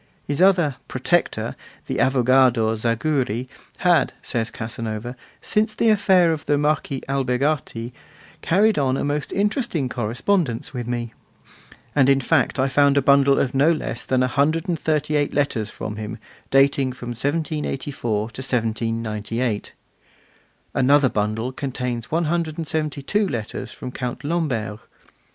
His other 'protector,' the 'avogador' Zaguri, had, says Casanova, 'since the affair of the Marquis Albergati, carried on a most interesting correspondence with me'; and in fact I found a bundle of no less than a hundred and thirty eight letters from him, dating from 1784 to 1798. Another bundle contains one hundred and seventy two letters from Count Lamberg.